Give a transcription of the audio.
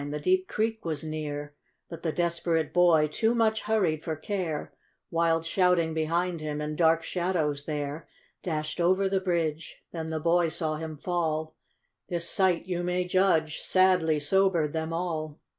The deep creek was near, But the desperate hoy, too much hurried for care, Wild shouting behind him, and dark shadows there, Dashed over the bridge, then the hoys saw him fall ! This sight, you may judge, sadly sobered them all.